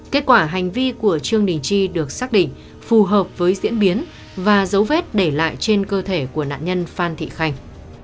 kết quả hành vi của trương đình chi được xác định phù hợp với diễn biến và dấu vết để lại trên cơ thể của nạn nhân phan thị khanh